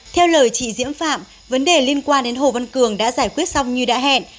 theo lời chị diễm phạm vấn đề liên quan đến hồ văn cường đã giải quyết xong như đã hẹn